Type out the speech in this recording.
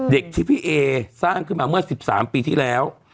เด็กที่พี่เอสร้างขึ้นมาเมื่อ๑๓ปีที่แล้ว